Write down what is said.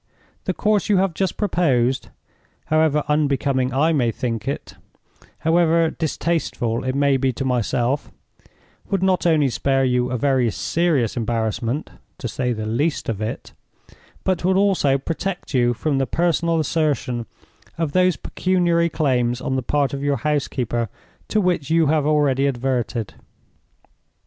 The course you have just proposed—however unbecoming I may think it, however distasteful it may be to myself—would not only spare you a very serious embarrassment (to say the least of it), but would also protect you from the personal assertion of those pecuniary claims on the part of your housekeeper to which you have already adverted.